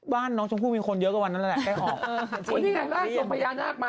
บ้านน้องชมพู่มีคนเยอะกว่าวันนั้นแหละ